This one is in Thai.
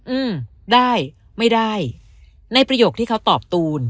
อืมได้ไม่ได้ในประโยคที่เขาตอบตูน